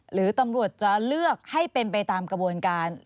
หรือตำรวจจะเลือกให้เป็นไปตามกระบวนการ